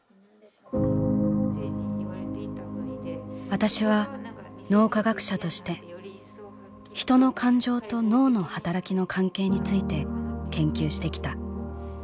「私は脳科学者としてヒトの感情と脳の働きの関係について研究してきた。